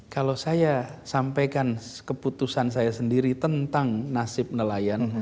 kalau saya sampaikan keputusan saya sendiri tentang nasib nelayan